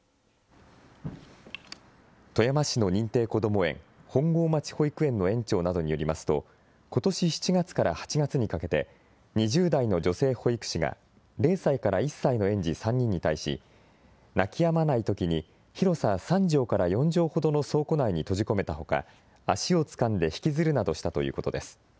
富山市の認定こども園、本郷町保育園の園長などによりますと、ことし７月から８月にかけて、２０代の女性保育士が、０歳から１歳の園児３人に対し、泣きやまないときに広さ３畳から４畳ほどの倉庫内に閉じ込めたほか、足をつかんで引きずるなどしたということです。